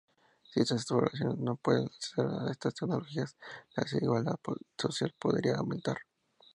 Si estas poblaciones no pueden acceder a estás tecnologías, la desigualdad social podría aumentar.